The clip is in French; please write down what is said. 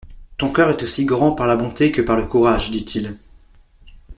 Ton coeur est aussi grand par la bonté que par le courage, dit-il.